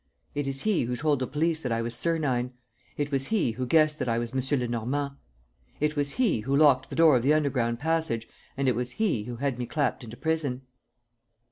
It is he who told the police that I was Sernine. It was he who guessed that I was M. Lenormand. It was he who locked the door of the underground passage and it was he who had me clapped into prison."